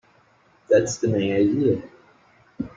That's the main idea.